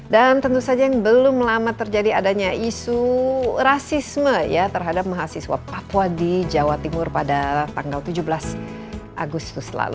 dan tentu saja yang belum lama terjadi adanya isu rasisme ya terhadap mahasiswa papua di jawa timur pada tanggal tujuh belas agustus lalu